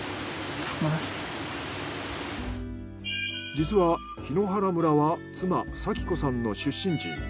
実は檜原村は妻早紀子さんの出身地。